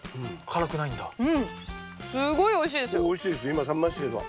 今食べましたけど。